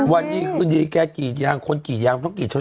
วันนี้คือดีแกกี่ยางคนกี่ยางต้องกี่เช้า